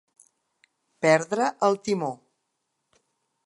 Perdre el timó.